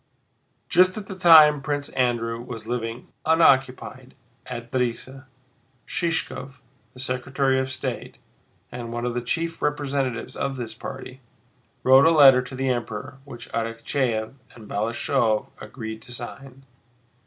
Just at the time Prince Andrew was living unoccupied at Drissa, Shishkóv, the Secretary of State and one of the chief representatives of this party, wrote a letter to the Emperor which Arakchéev and Balashëv agreed to sign.